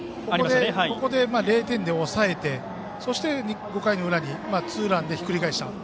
ここで０点で抑えてそして５回の裏にツーランでひっくり返した。